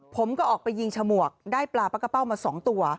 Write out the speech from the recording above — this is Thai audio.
ผมก็ออกไปยิงฉมวกได้ปลาปักกะเป้ามา๒ตัว